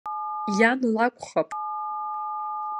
Иан лакәхап.